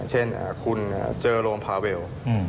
เช่นคุณเจอโรงพาเวล